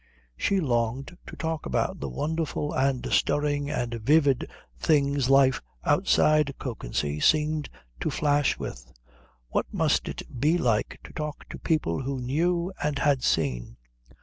She longed to talk about the wonderful and stirring and vivid things life outside Kökensee seemed to flash with. What must it be like to talk to people who knew and had seen?